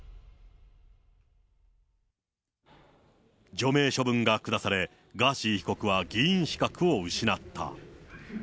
除名処分が下され、ガーシー被告は議員資格を失った。